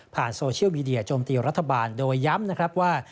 ผ่านโซเชียลวีเดียโจมตีรัฐบาลโดยย้ำว่า